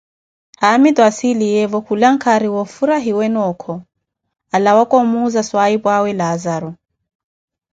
Haamitu anssiliyevo, khulanka wa ofhurahiwene okho alawaka omuuza swahipwaawe Laazaro.